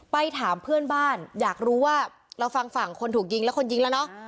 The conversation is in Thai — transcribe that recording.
ไปถามเพื่อนบ้านอยากรู้ว่าเราฟังฝั่งคนถูกยิงและคนยิงแล้วเนอะ